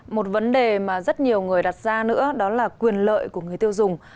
một vấn đề mà rất nhiều người đặt ra nữa đó là quyền lợi của người tiêu dùng